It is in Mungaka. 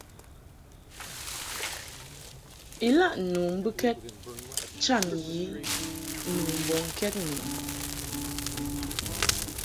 Ilaʼ nu mbɨkɛd cham yi nu mbɔŋkɛd mɨ.